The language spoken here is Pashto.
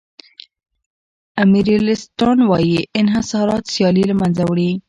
امپریالیستان وايي چې انحصارات سیالي له منځه وړي